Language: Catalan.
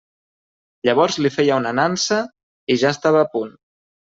Llavors li feia una nansa i ja estava a punt.